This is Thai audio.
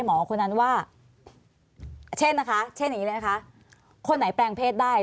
หมอคนนั้นว่าเช่นนะคะเช่นอย่างนี้เลยนะคะคนไหนแปลงเพศได้